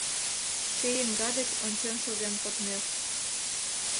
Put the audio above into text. Шке еҥга деч ончен шоген кодмеш